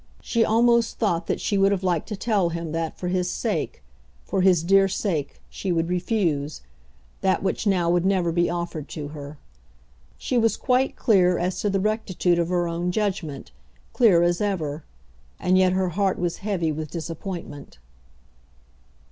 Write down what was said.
She almost thought that she would have liked to tell him that for his sake, for his dear sake, she would refuse that which now would never be offered to her. She was quite clear as to the rectitude of her own judgment, clear as ever. And yet her heart was heavy with disappointment.